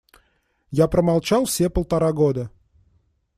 Я промолчал все полтора года.